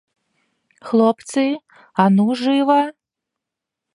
Хлопцы, а ну жыва!